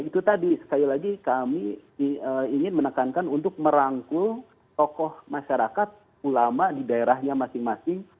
itu tadi sekali lagi kami ingin menekankan untuk merangkul tokoh masyarakat ulama di daerahnya masing masing